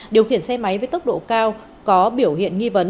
điều khiển xe máy với tốc độ cao có biểu hiện nghi vấn